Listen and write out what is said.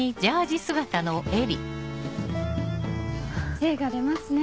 精が出ますね